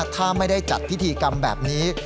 ถ้าไม่ได้จัดพิธีกรรมแบบนี้